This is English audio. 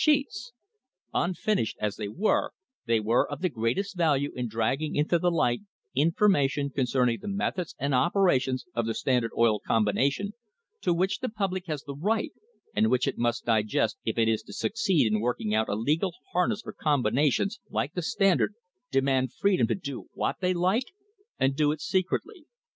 Sheets! Unfinished as they were, they were of the greatest value in dragging into the light infor mation concerning the methods and operations of the Stand ard Oil Combination to which the public has the right, and which it must digest if it is to succeed in working out a legal harness for combinations which, like the Standard, de mand freedom to do what they like and do it secretly.